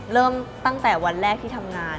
เริ่มตั้งแต่วันแรกที่ทำงาน